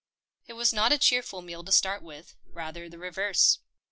It was not a cheerful meal to start with — rather the reverse.